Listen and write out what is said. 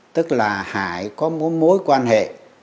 tức là hải có mối quan hệ